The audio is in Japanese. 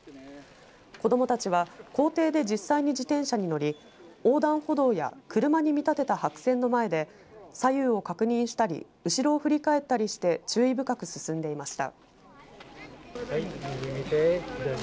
子どもたちは校庭で実際に自転車に乗り横断歩道や車に見立てた白線の前で左右を確認したり後ろを振り返ったりして注意深く進んでいました。